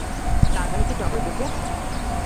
তার মানে কি টগর বেঁচে আছে?